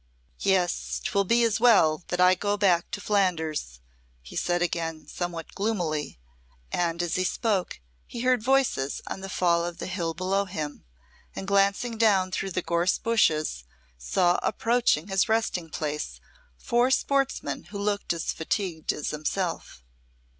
"Yes, 'twill be as well that I go back to Flanders," he said again, somewhat gloomily; and as he spoke he heard voices on the fall of the hill below him, and glancing down through the gorse bushes, saw approaching his resting place four sportsmen who looked as fatigued as himself.